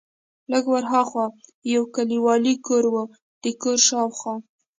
لږ ور ها خوا یو کلیوالي کور و، د کور شاوخوا.